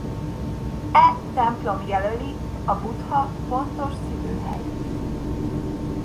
E templom jelöli a Buddha pontos szülőhelyét.